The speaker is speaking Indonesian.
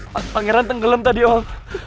pak pangeran tenggelam tadi om